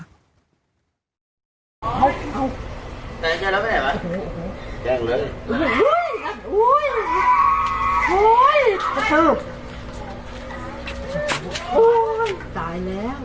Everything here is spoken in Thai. อุ้ยอุ้ยจะจีบตายแล้ว